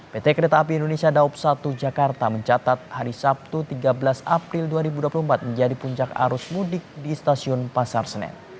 pt kereta api indonesia daup satu jakarta mencatat hari sabtu tiga belas april dua ribu dua puluh empat menjadi puncak arus mudik di stasiun pasar senen